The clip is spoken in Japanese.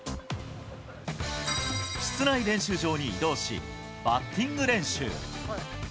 室内練習場に移動し、バッティング練習。